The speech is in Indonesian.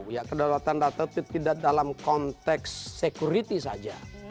ya kedaulatan data itu tidak dalam konteks security saja